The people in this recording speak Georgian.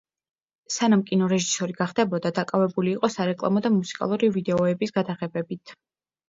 სანამ კინორეჟისორი გახდებოდა, დაკავებული იყო სარეკლამო და მუსიკალური ვიდეოების გადაღებებით.